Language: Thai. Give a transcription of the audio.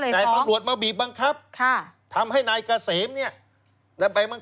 แต่ตำรวจมาบีบบังคับทำให้นายเกษมเนี่ย